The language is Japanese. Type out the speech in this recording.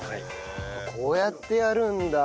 こうやってやるんだ。